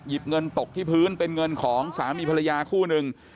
เงินตกที่พื้นเป็นเงินของสามีภรรยาคู่หนึ่ง